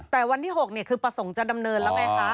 แต่วันที่๖คือประสงค์จะดำเนินแล้วไงคะ